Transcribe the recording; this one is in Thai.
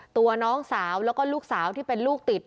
ตัวน้องสาวแล้วก็ลูกสาวที่เป็นลูกติด